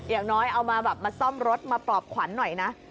อย่างน้อยเอามาแบบมาซ่อมรถมาปลอบขวัญหน่อยนะ